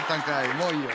もういいよ！」。